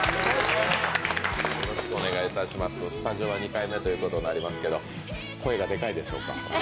スタジオは２回目ということになりますけど、声がデカいでしょうか？